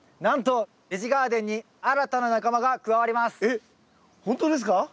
なんとえっ本当ですか？